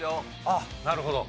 あっなるほど。